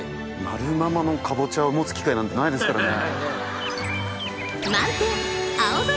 丸いままのかぼちゃを持つ機会なんてないですからね。